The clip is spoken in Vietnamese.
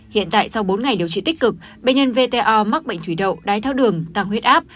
hiện tại sau bốn ngày điều trị tích cực bệnh nhân vto mắc bệnh thủy đậu đái tháo đường tăng huyết áp